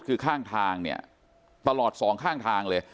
คือข้างทางเนี่ยตลอดสองข้างทางเลย